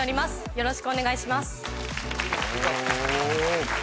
よろしくお願いします